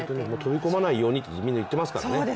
飛び込まないようにとみんな言ってますからね。